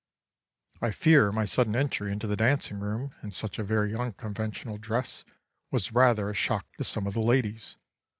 "I fear my sudden entry into the dancing room in such a very unconventional dress was rather a shock to some of the ladies.